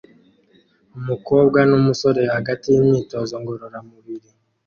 Umukobwa numusore hagati yimyitozo ngororamubiri